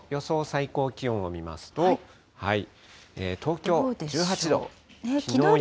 最高気温を見ますと、東京１８度。